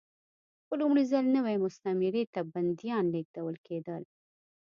په لومړي ځل نوې مستعمرې ته بندیان لېږدول کېدل.